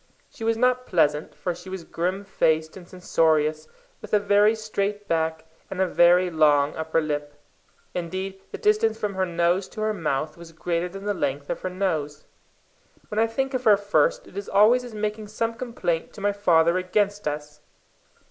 She was not pleasant, for she was grim faced and censorious, with a very straight back, and a very long upper lip. Indeed the distance from her nose to her mouth was greater than the length of her nose. When I think of her first, it is always as making some complaint to my father against us.